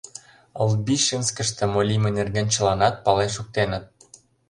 Лбищенскыште мо лийме нерген чыланат пален шуктеныт.